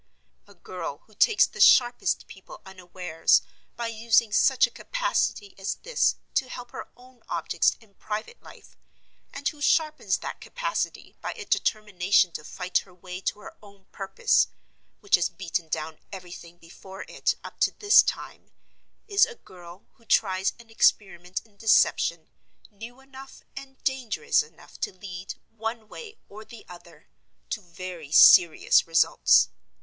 A girl who takes the sharpest people unawares by using such a capacity as this to help her own objects in private life, and who sharpens that capacity by a determination to fight her way to her own purpose, which has beaten down everything before it, up to this time—is a girl who tries an experiment in deception, new enough and dangerous enough to lead, one way or the other, to very serious results.